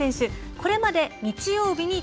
これまで日曜日に登板。